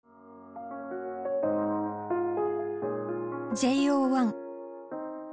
ＪＯ１。